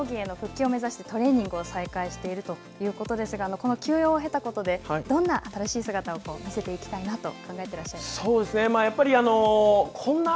今は、競技への復帰を目指してトレーニングを再開しているということですが、この休養を経たことで、どんな新しい姿を見せていきたいなと考えていらっしゃいますか。